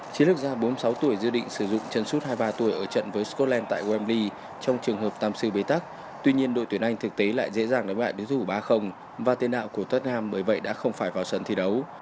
chiến lược gia bốn mươi sáu tuổi dự định sử dụng chấn suốt hai mươi ba tuổi ở trận với scotland tại wembley trong trường hợp tam sư bế tắc tuy nhiên đội tuyển anh thực tế lại dễ dàng đánh lại đối thủ ba và tên đạo của tottenham bởi vậy đã không phải vào sân thi đấu